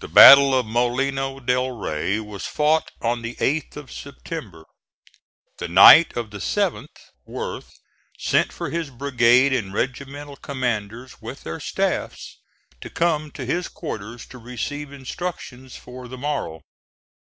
The battle of Molino del Rey was fought on the 8th of September. The night of the 7th, Worth sent for his brigade and regimental commanders, with their staffs, to come to his quarters to receive instructions for the morrow.